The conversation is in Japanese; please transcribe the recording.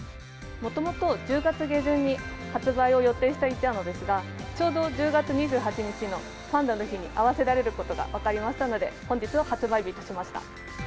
もともと、１０月下旬に発売を予定してはいたのですが、ちょうど１０月２８日のパンダの日に合わせられることが分かりましたので、本日を発売日としました。